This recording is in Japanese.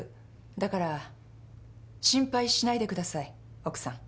だから心配しないでください奥さん。